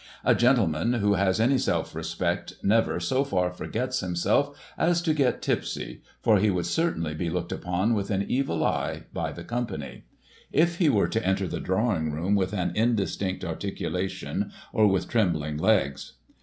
A gentleman who has any self respect, never so far forgets himself as to get tipsy, for he would certainly be looked upon with an evil eye, by the company, if he were to enter the drawing room with an indistinct articulation, or with trembling legs.